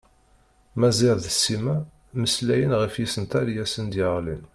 Maziɣ d Sima mmeslayen ɣef yisental i asen-d-yeɣlin.